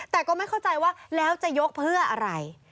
แต่ก็ไม่เข้าใจว่าแล้วจะยกเพื่ออะไร